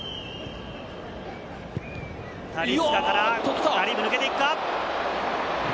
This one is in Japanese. タリスカからガリーブ抜けていくか？